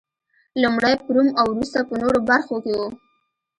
لومړی په روم او وروسته په نورو برخو کې و